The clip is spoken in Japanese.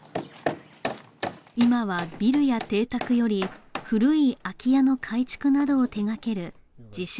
今はビルや邸宅より古い空き家の改築などを手がける自称